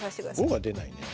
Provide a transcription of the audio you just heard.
５が出ないね。